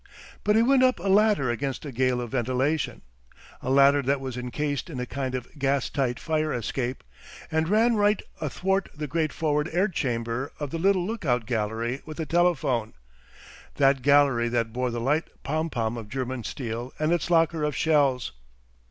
But he went up a ladder against a gale of ventilation a ladder that was encased in a kind of gas tight fire escape and ran right athwart the great forward air chamber to the little look out gallery with a telephone, that gallery that bore the light pom pom of German steel and its locker of shells.